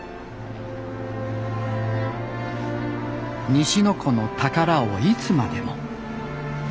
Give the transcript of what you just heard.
西の湖の宝をいつまでも。